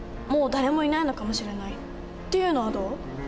もう誰もいないのかもしれない」っていうのはどう？